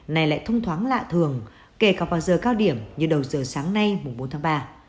này lại thông thoáng lạ thường kể cả vào giờ cao điểm như đầu giờ sáng nay bốn tháng ba